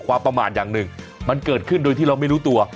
ประมาทอย่างหนึ่งมันเกิดขึ้นโดยที่เราไม่รู้ตัว